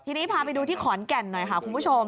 ทีนี้พาไปดูที่ขอนแก่นหน่อยค่ะคุณผู้ชม